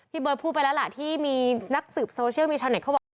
เบิร์ตพูดไปแล้วล่ะที่มีนักสืบโซเชียลมีชาวเน็ตเขาบอกว่า